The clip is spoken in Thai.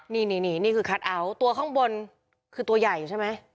นี่นี่คือคัทเอาท์ตัวข้างบนคือตัวใหญ่ใช่ไหม